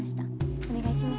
お願いします。